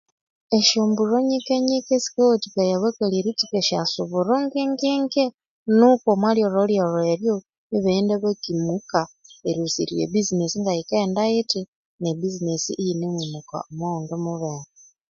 Esyombulho nyikenyike sikawathikaya abakali eritsuka esyasuburo ngengenge nuko omwa lyolho lyolho eryo ibaghenda bakimuka erilhusirirya ebizinesi ngayika ghenda yithi ne buzinesi iyine mu muka omwa yindi mibere